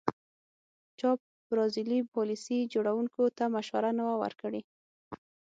چا برازیلي پالیسي جوړوونکو ته مشوره نه وه ورکړې.